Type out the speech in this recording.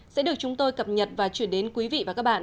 sẽ được chúng tôi cập nhật và chuyển đến quý vị và các bạn